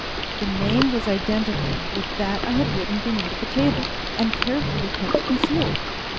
The name was identical with that I had written beneath the table, and carefully kept concealed.